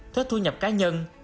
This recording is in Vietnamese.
thuế thu nhập cá nhân